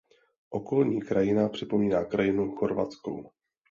Okolní krajina připomíná krajinu chorvatskou.